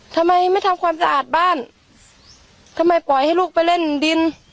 ทำไมไม่ทำความสะอาดบ้านทำไมปล่อยให้ลูกไปเล่นดิน